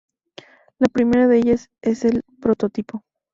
La primera de ellas es el prototipo.